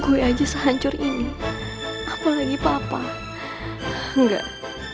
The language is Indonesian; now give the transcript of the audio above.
kue aja sehancur ini apalagi papa enggak